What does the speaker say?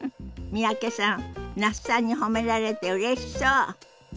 三宅さん那須さんに褒められてうれしそう。